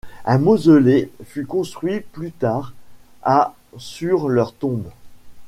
Un mausolée fut construit plus tard à sur leur tombe.